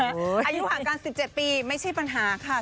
อายุห่างกัน๑๗ปีไม่ใช่ปัญหาค่ะ